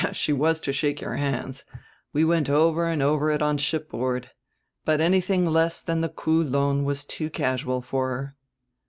"She was to shake your hands; we went over and over it on shipboard. But anything less than the Kûl'on was too casual for her."